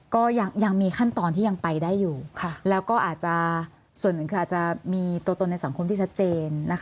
ก็ยังมีขั้นตอนที่ยังไปได้อยู่แล้วก็อาจจะส่วนหนึ่งคืออาจจะมีตัวตนในสังคมที่ชัดเจนนะคะ